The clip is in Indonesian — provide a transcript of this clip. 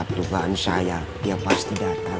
perubahan saya dia pasti datang